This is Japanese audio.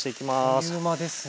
あっという間ですね。